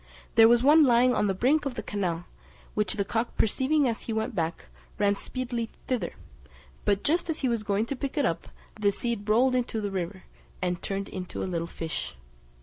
There was one lying on the brink of the canal, which the cock perceiving as he went back, ran speedily thither; but just as he was going to pick it up, the seed rolled into the river, and turned into a little fish.